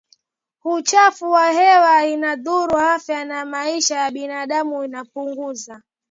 uchafuzi wa hewa Inadhuru afya na maisha ya binadamu inapunguza